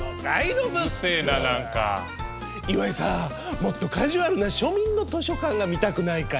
もっとカジュアルな庶民の図書館が見たくないかい？